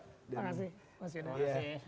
terima kasih mas yunus